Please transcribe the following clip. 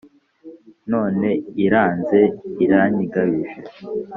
None iranze iranyigabije